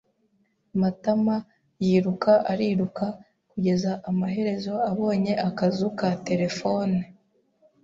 Matama yiruka ariruka, kugeza amaherezo abonye akazu ka terefone